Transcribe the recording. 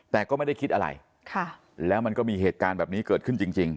แต่ก็ไม่ได้คิดอะไรแล้วมันก็มีเหตุการณ์แบบนี้เกิดขึ้นจริง